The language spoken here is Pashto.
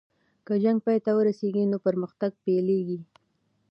که جنګ پای ته ورسیږي نو پرمختګ پیلیږي.